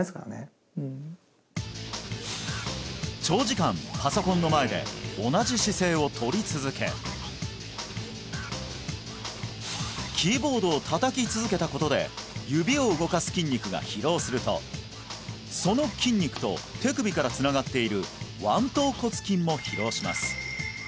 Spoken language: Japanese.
長時間パソコンの前で同じ姿勢をとり続けキーボードを叩き続けたことで指を動かす筋肉が疲労するとその筋肉と手首からつながっている腕橈骨筋も疲労します